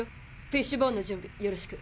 フィッシュボーンの準備よろしく。